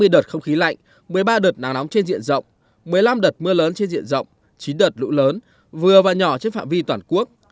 hai mươi đợt không khí lạnh một mươi ba đợt nắng nóng trên diện rộng một mươi năm đợt mưa lớn trên diện rộng chín đợt lũ lớn vừa và nhỏ trên phạm vi toàn quốc